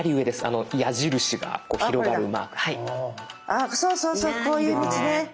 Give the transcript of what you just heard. ああそうそうそうこういう道ね。